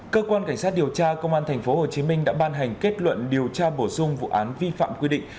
cơ quan cảnh sát điều tra công an tp hồ chí minh đã ban hành kết luận điều tra bổ sung vụ án vi phạm quy định